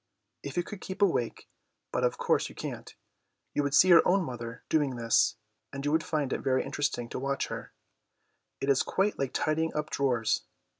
If you could keep awake (but of course you can't) you would see your own mother doing this, and you would find it very interesting to watch her. It is quite like tidying up drawers.